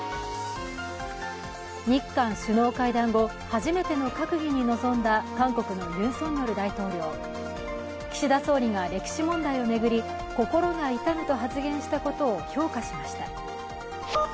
日韓首脳会談後、初めての閣議に臨んだ韓国のユン・ソンニョル大統領岸田総理が歴史問題を巡り心が痛むと発言したことを評価しました。